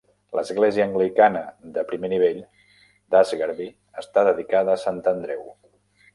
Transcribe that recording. L'església anglicana de primer nivell, d'Asgarby, està dedicada a Sant Andreu.